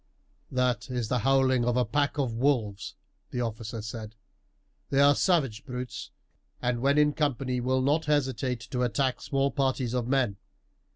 "That is the howling of a pack of wolves," the officer said. "They are savage brutes, and when in company will not hesitate to attack small parties of men.